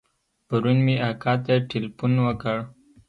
پرون مې اکا ته ټېلفون وکړ.